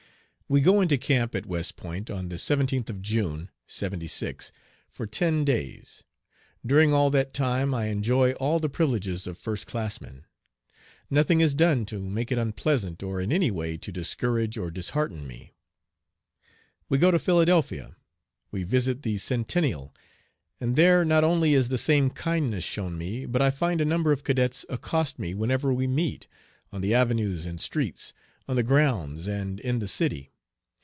We go into camp at West Point on the 17th of June, '76 for ten days. During all that time I enjoy all the privileges of first classmen. Nothing is done to make it unpleasant or in any way to discourage or dishearten me. We go to Philadelphia. We visit the Centennial, and there not only is the same kindness shown me, but I find a number of cadets accost me whenever we meet, on the avenues and streets, on the grounds and in the city.